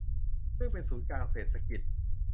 ซึ่งเป็นศูนย์กลางเศรษฐกิจ